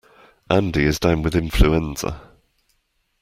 Andy is down with influenza.